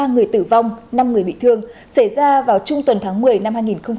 ba người tử vong năm người bị thương xảy ra vào trung tuần tháng một mươi năm hai nghìn một mươi chín